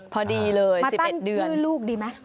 พอดีเลย๑๑เดือนมาตั้งชื่อลูกดีไหม